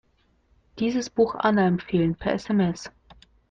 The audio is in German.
Dieses Buch Anna empfehlen, per SMS.